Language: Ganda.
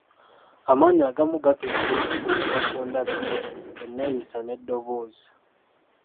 Amannya agamu gatuumibwa okusinziira ku ndabika, enneeyisa n'eddoboozi.